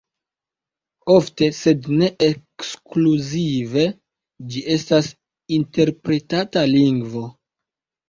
Ofte, sed ne ekskluzive, ĝi estas interpretata lingvo.